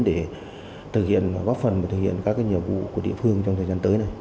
để góp phần thực hiện các nhiệm vụ của địa phương trong thời gian tới